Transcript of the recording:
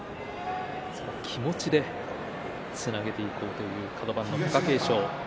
気持ちでつなげていこうというカド番の貴景勝です。